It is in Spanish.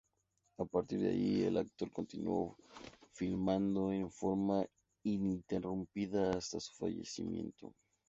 A partir de ahí, el actor continuó filmando en forma ininterrumpida hasta su fallecimiento.